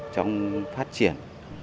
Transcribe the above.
trong phát triển